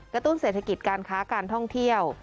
ตุ้นเศรษฐกิจการค้าการท่องเที่ยว